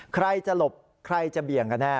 ใครจะหลบใครจะเบี่ยงกันแน่